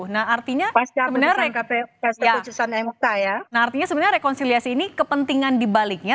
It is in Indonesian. nah artinya sebenarnya rekonsiliasi ini kepentingan dibaliknya